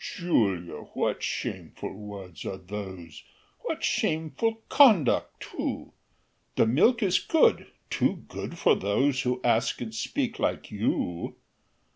"Julia, what shameful words are those! What shameful conduct too! The milk is good, too good for those Who ask and speak like you.